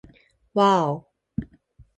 わぁお